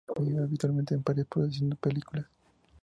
Vive habitualmente en París produciendo películas.